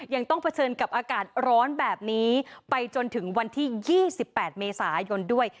ยังต้องเผชิญกับอากาศร้อนแบบนี้ไปจนถึงวันที่๒๘เมษายนด้วย